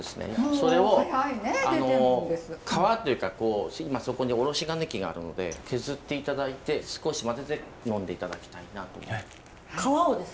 それを皮というかそこにおろし金器があるので削っていただいて少し混ぜて呑んでいただきたいなと思います。